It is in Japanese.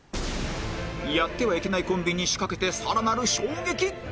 やってはいけないコンビに仕掛けて更なる衝撃